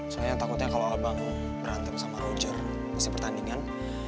soalnya takutnya kalo abang berhantam sama roger masih pertandingan